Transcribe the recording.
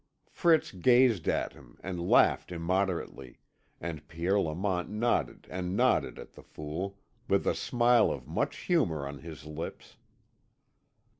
Fritz gazed at him, and laughed immoderately, and Pierre Lamont nodded and nodded at the fool, with a smile of much humour on his lips.